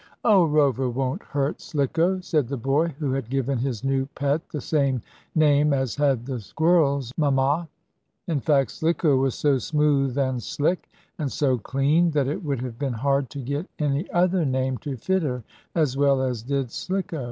"Oh, Rover won't hurt Slicko," said the boy, who had given his new pet the same name as had the squirrel's mamma. In fact, Slicko was so smooth and slick, and so clean, that it would have been hard to get any other name to fit her as well as did Slicko.